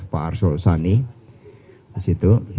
pak arsul sani